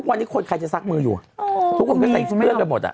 วันนี้คนใครจะซักมืออยู่ทุกคนก็ใส่เสื้อกันหมดอ่ะ